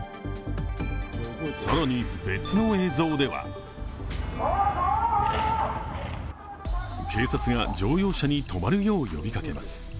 更に別の映像では警察が乗用車に止まるよう呼びかけます。